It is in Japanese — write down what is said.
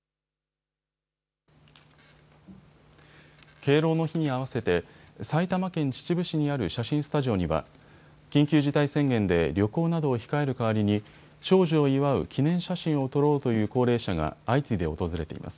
敬老の日に合わせて埼玉県秩父市にある写真スタジオには緊急事態宣言で旅行などを控える代わりに長寿を祝う記念写真を撮ろうという高齢者が相次いで訪れています。